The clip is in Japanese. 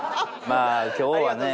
まあ今日はね。